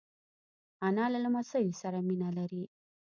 انا له لمسیو سره مینه لري